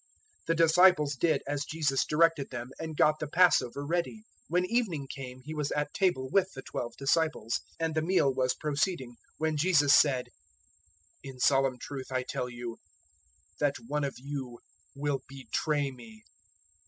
'" 026:019 The disciples did as Jesus directed them, and got the Passover ready. 026:020 When evening came, He was at table with the twelve disciples, 026:021 and the meal was proceeding, when Jesus said, "In solemn truth I tell you that one of you will betray me."